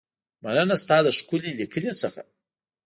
مننه ستا له ښکلې لیکنې څخه.